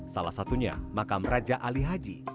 salah satunya makam raja ali haji